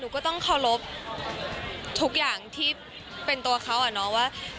ก็ต้องเคารพทุกอย่างที่เป็นตัวเขาอะเนาะว่า